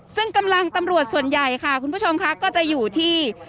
ซึ่งกำลังตำรวจส่วนใหญ่ค่ะคุณผู้ชมค่ะก็จะอยู่ที่